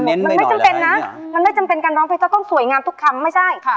มันไม่จำเป็นนะมันไม่จำเป็นการร้องเพลงต้องสวยงามทุกคำไม่ใช่ค่ะ